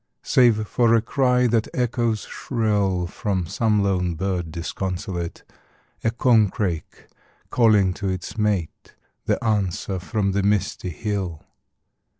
Save for a cry that echoes shrill From some lone bird disconsolate; A corncrake calling to its mate; The answer from the misty hill.